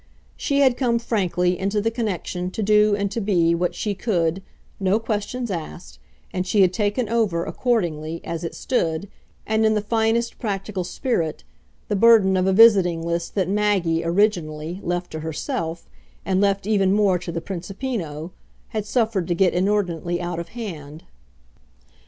She had come, frankly, into the connection, to do and to be what she could, "no questions asked," and she had taken over, accordingly, as it stood, and in the finest practical spirit, the burden of a visiting list that Maggie, originally, left to herself, and left even more to the Principino, had suffered to get inordinately out of hand.